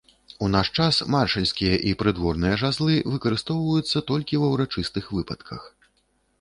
У наш час маршальскія і прыдворныя жазлы выкарыстоўваюцца толькі ва ўрачыстых выпадках.